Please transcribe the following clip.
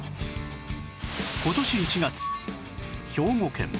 今年１月兵庫県